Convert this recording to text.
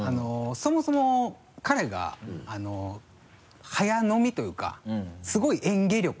そもそも彼が早飲みというかすごい嚥下力。